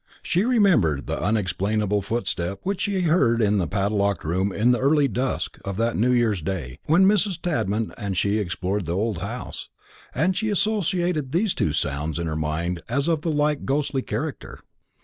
She remembered the unexplainable footstep which she had heard in the padlocked room in the early dusk of that new year's day, when Mrs. Tadman and she explored the old house; and she associated these two sounds in her mind as of a like ghostly character.